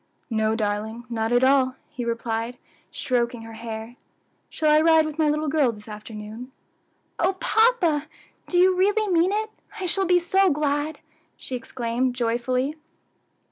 "No, darling, not at all," he replied, stroking her hair. "Shall I ride with my little girl this afternoon?" "Oh papa! do you really mean it? I shall be so glad!" she exclaimed joyfully.